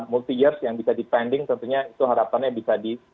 multi years yang bisa dipending tentunya itu harapannya bisa di